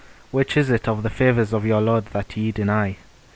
P: Which is it, of the favours of your Lord, that ye deny?